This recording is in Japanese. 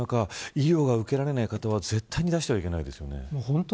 医療を受けられない人は絶対に出してはいけませんよね。